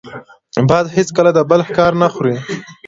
باز هېڅکله د بل ښکار نه خوري